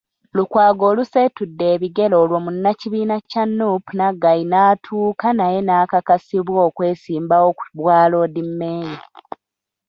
Lukwago oluseetudde ebigere olwo munnakibiina kya Nuupu, Naggayi n'atuuka naye n'akakasibwa okwesimbawo ku bwaloodimmeeya.